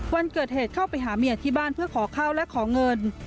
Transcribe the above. วันเกิดเหตุเข้าไปหาเมียที่บ้านเพื่อขอข้าวและขอเงิน